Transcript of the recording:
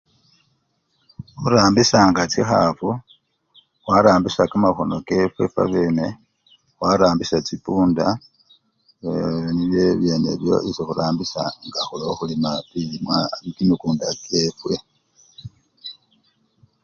Khurambisyanga chikhafu, khwarambisya kamakhono kefwe fwabene, khwarambisya chipunda yee! nibyo ebyenebyo nibyo khurambisya nga khekhulima bilimwa! kimikunda kyefwe.